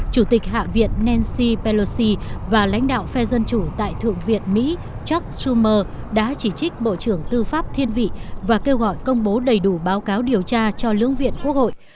chủ tịch hạ viện nancy pelosi và lãnh đạo phe dân chủ tại thượng viện mỹ chuck schumer đã chỉ trích bộ trưởng tư pháp thiên vị và kêu gọi công bố đầy đủ báo cáo điều tra cho lương viện quốc hội